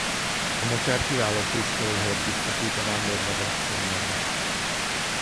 A mocsár kiváló fészkelőhelyet biztosít a vándormadarak számára.